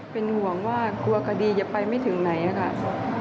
เป็นห่วงว่ากลัวคดีจะไปไม่ถึงไหนค่ะ